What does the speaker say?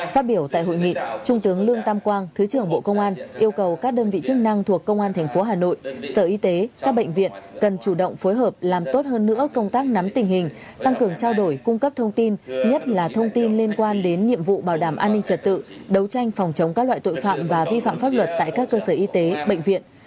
phát biểu tại hội nghị trung tướng lương tam quang thứ trưởng bộ công an yêu cầu các đơn vị chức năng thuộc công an thành phố hà nội sở y tế các bệnh viện cần chủ động phối hợp làm tốt hơn nữa công tác nắm tình hình tăng cường trao đổi cung cấp thông tin nhất là thông tin liên quan đến nhiệm vụ bảo đảm an ninh trật tự đấu tranh phòng chống các loại tội phạm và vi phạm pháp luật tại các cơ sở y tế bệnh viện